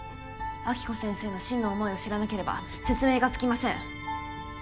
暁子先生の真の想いを知らなければ説明がつきません。